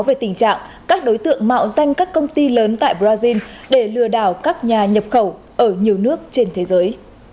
về tình trạng các đối tượng mạo danh các công ty lớn tại brazil để lừa đảo các nhà nhập khẩu ở nhiều nước trên thế giới